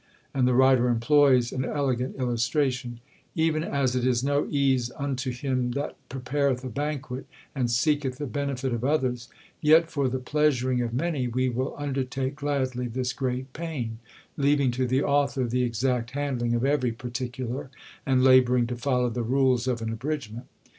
And the writer employs an elegant illustration: "Even as it is no ease unto him that prepareth a banquet, and seeketh the benefit of others; yet for the pleasuring of many, we will undertake gladly this great pain; leaving to the author the exact handling of every particular, and labouring to follow the rules of an abridgment."